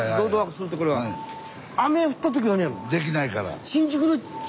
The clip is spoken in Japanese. できないから。